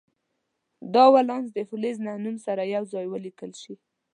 دا ولانس د فلز له نوم سره یو ځای ولیکل شي.